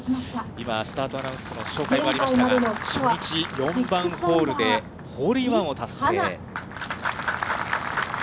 今、スタートアナウンスの紹介がありましたが、初日４番ホールで、ホールインワンを達成。